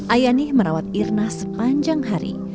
ayani merawat irna sepanjang hari